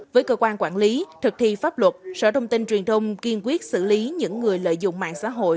với cơ quan quản lý thực thi pháp luật sở thông tin truyền thông kiên quyết xử lý những người lợi dụng mạng xã hội